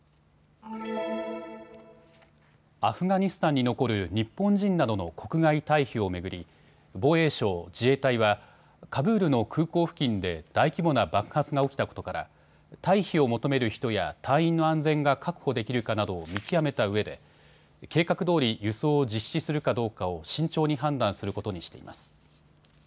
アフガニスタンに残る日本人などの国外退避を巡り防衛省、自衛隊はカブールの空港付近で大規模な爆発が起きたことから退避を求める人や隊員の安全が確保できるかなどを見極めたうえで計画通り輸送を実施するかどうかを慎重に判断することにしています。